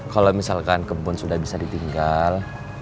kalau misalkan kebun sudah bisa ditinggal